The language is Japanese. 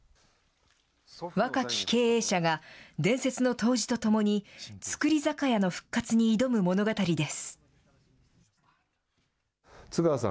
若き経営者が、伝説の杜氏と共に、造り酒屋の復活に挑む物語です。